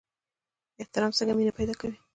احترام څنګه مینه پیدا کوي؟